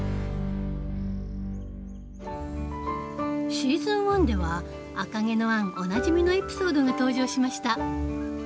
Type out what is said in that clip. シーズン１では「赤毛のアン」おなじみのエピソードが登場しました。